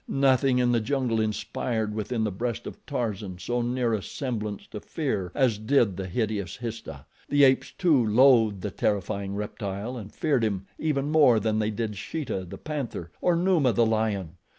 Nothing in the jungle inspired within the breast of Tarzan so near a semblance to fear as did the hideous Histah. The apes, too, loathed the terrifying reptile and feared him even more than they did Sheeta, the panther, or Numa, the lion.